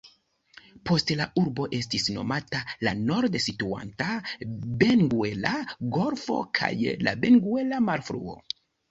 Post la urbo estis nomata la norde situanta Benguela-golfo kaj la Benguela-marfluo.